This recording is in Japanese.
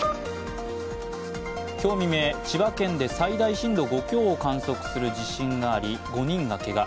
今日未明、千葉県で最大震度５強を観測する地震があり、５人がけが。